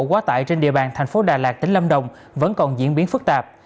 quá tải trên địa bàn thành phố đà lạt tỉnh lâm đồng vẫn còn diễn biến phức tạp